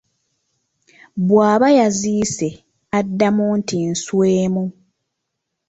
Bw'aba yazisse addamu nti nswemu.